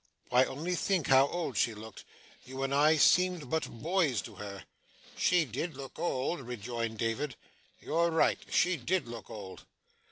Why, only think how old she looked. You and I seemed but boys to her.' 'She did look old,' rejoined David. 'You're right. She did look old.